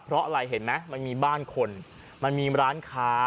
เพราะอะไรเห็นไหมมันมีบ้านคนมันมีร้านค้า